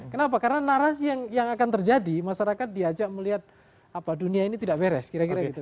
kenapa karena narasi yang akan terjadi masyarakat diajak melihat dunia ini tidak beres kira kira gitu